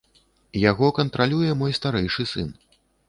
Яго кантралюе мой старэйшы сын.